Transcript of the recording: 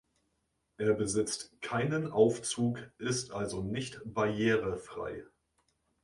Er besitzt keinen Aufzug, ist also nicht barrierefrei.